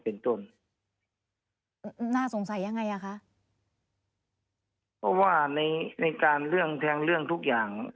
เป็นต้นน่าสงสัยยังไงอ่ะคะเพราะว่าในในการเรื่องแทงเรื่องทุกอย่าง